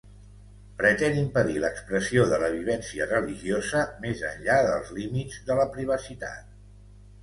Pretén impedir l’expressió de la vivència religiosa més enllà dels límits de la privacitat.